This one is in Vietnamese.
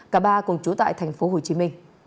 cả ba cùng chú tại tp hcm